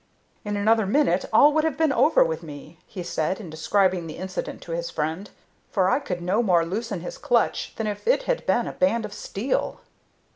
"In another minute all would have been over with me," he said, in describing the incident to his friend. "For I could no more loosen his clutch than if it had been a band of steel."